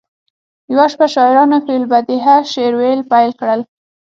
یوه شپه شاعرانو فی البدیهه شعر ویل پیل کړل